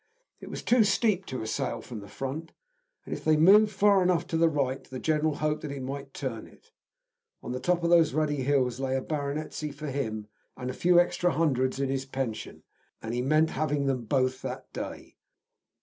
It was too steep to assail from the front, and if they moved far enough to the right the general hoped that he might turn it. On the top of those ruddy hills lay a baronetcy for him, and a few extra hundreds in his pension, and he meant having them both that day.